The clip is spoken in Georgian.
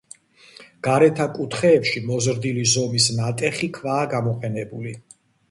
გარეთა კუთხეებში მოზრდილი ზომის ნატეხი ქვაა გამოყენებული.